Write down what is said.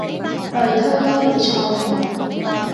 類推都會錯誤